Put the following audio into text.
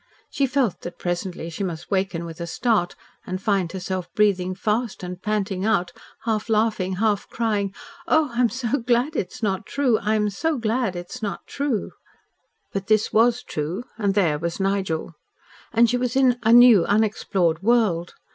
She felt that presently she must waken with a start and find herself breathing fast, and panting out, half laughing, half crying, "Oh, I am so glad it's not true! I am so glad it's not true!" But this was true, and there was Nigel. And she was in a new, unexplored world.